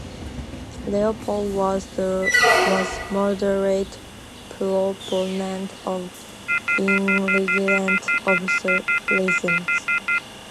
Leopold was a moderate proponent of enlightened absolutism.